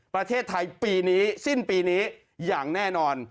ประเทศไทยปีนี้สิ้นปีนี้อย่างแน่นอน